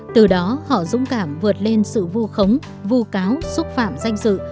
từ đó họ dũng cảm vượt lên sự vô khống vô cáo xúc phạm danh dự